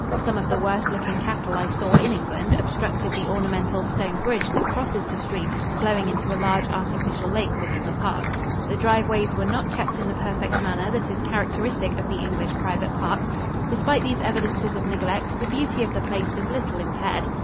Some of the worst looking cattle I saw in England obstructed the ornamental stone bridge that crosses the stream flowing into a large artificial lake within the park. The driveways were not kept in the perfect manner that is characteristic of the English private park. Despite these evidences of neglect, the beauty of the place was little impaired.